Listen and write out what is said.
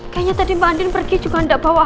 kayaknya tadi banding pergi juga ndak bawa hp